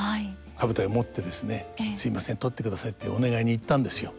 羽二重を持ってですね「すみません取ってください」ってお願いに行ったんですよ。